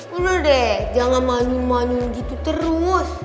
bener deh jangan manyung manyung gitu terus